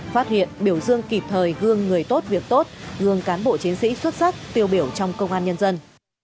phát hiện biểu dương kịp thời gương người tốt việc tốt gương cán bộ chiến sĩ xuất sắc tiêu biểu trong công an nhân dân